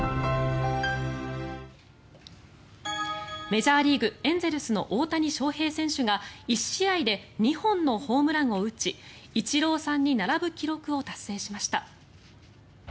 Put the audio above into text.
メジャーリーグエンゼルスの大谷翔平選手が１試合で２本のホームランを打ちイチローさんに並ぶ記録を達成しました。